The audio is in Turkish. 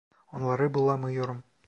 Onları bulamıyorum.